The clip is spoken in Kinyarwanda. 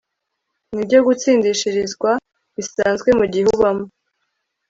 nibyo gutsindishirizwa bisanzwe mugihe ubamo